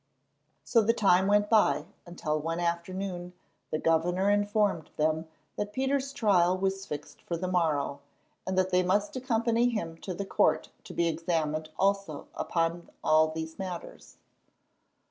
So the time went by, until one afternoon the governor informed them that Peter's trial was fixed for the morrow, and that they must accompany him to the court to be examined also upon all these matters.